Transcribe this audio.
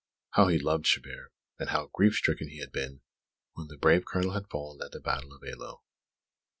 How he had loved Chabert; and how grief stricken he had been when the brave Colonel had fallen at the battle of Eylau!